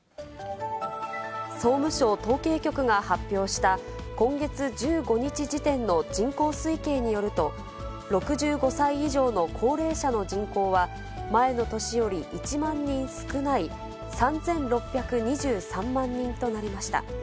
総務省統計局が発表した、今月１５日時点の人口推計によると、６５歳以上の高齢者の人口は、前の年より１万人少ない３６２３万人となりました。